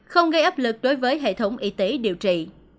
không gây áp lực đối với hệ thống y tế điều trị